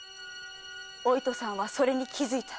お糸さんはそれに気づいた。